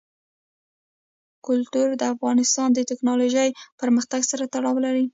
کلتور د افغانستان د تکنالوژۍ پرمختګ سره تړاو لري.